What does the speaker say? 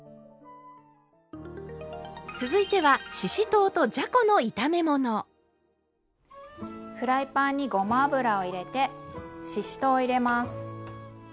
続いてはフライパンにごま油を入れてししとうを入れます。